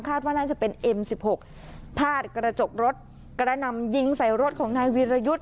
ว่าน่าจะเป็นเอ็มสิบหกพาดกระจกรถกระนำยิงใส่รถของนายวีรยุทธ์